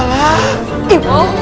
nah yang rapi ya